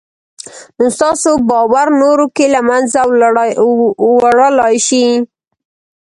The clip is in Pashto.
نو ستاسې باور نورو کې له منځه وړلای شي